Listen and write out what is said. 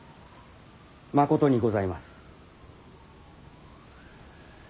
まことにございます。